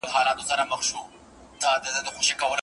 ږدن ډنډ ته نږدې ګڼي.